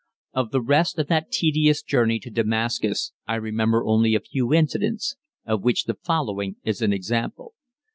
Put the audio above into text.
Of the rest of that tedious journey to Damascus I remember only a few incidents, of which the following is an example.